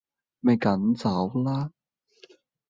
咪咁嘈啦